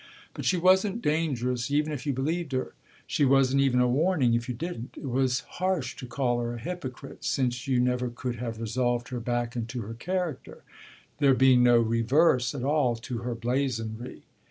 But she wasn't dangerous even if you believed her; she wasn't even a warning if you didn't. It was harsh to call her a hypocrite, since you never could have resolved her back into her character, there being no reverse at all to her blazonry.